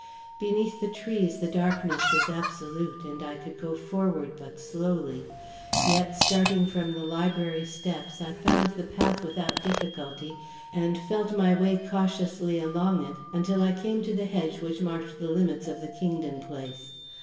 Beneath the trees, the darkness was absolute and I could go forward but slowly; yet, starting from the library steps, I found the path without difficulty, and felt my way cautiously along it, until I came to the hedge which marked the limits of the Kingdon place.